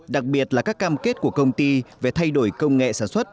đặc biệt là các cam kết của công ty về thay đổi công nghệ sản xuất